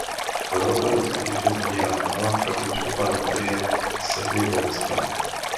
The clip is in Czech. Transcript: Roh vedle schodiště zabírá malá kaplička Panny Marie Sedmibolestné.